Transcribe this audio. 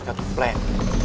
kita ke plan